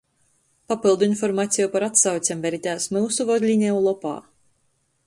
Papyldu informaceju par atsaucem veritēs myusu vodlineju lopā.